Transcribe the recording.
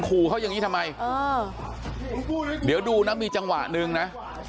คู่เขายังงี้ทำไมอ่าเดี๋ยวดูน่ะมีจังหวะหนึ่งน่ะ